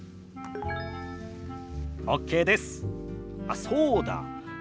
あっそうだ。